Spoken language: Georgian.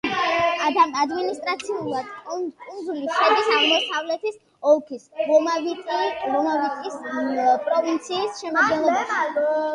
ადმინისტრაციულად კუნძული შედის აღმოსავლეთის ოლქის ლომაივიტის პროვინციის შემადგენლობაში.